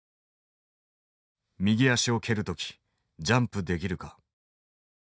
「右足をけるときジャンプできるか？」。